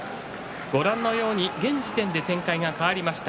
ご覧のように現時点で展開が変わりました。